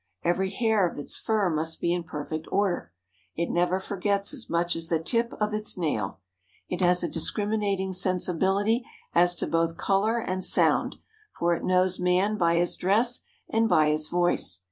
Every hair of its fur must be in perfect order; it never forgets as much as the tip of its tail. It has a discriminating sensibility as to both color and sound, for it knows man by his dress and by his voice.